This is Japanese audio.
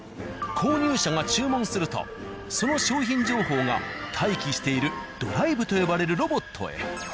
購入者が注文するとその商品情報が待機しているドライブと呼ばれるロボットへ。